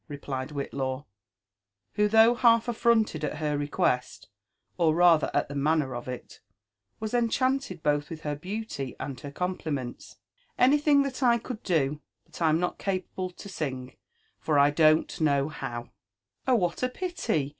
replied Whillaw, who, though half alTronted ai her request, or rather at the manner of it, was enchanted both with her beauty and her compliments, —'* anything that I could do ; but I'm not capable to sing, for I don't know how." " Oh, what a pity!